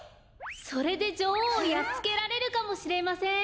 それでじょおうをやっつけられるかもしれません。